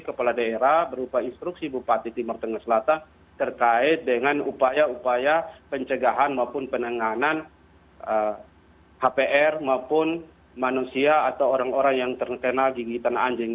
kepala daerah berupa instruksi bupati timur tengah selatan terkait dengan upaya upaya pencegahan maupun penanganan hpr maupun manusia atau orang orang yang terkena gigitan anjing